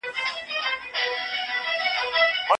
تاسي تل د خپلي روغتیا فکر کوئ.